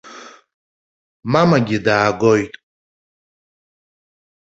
Мамагьы даагоит.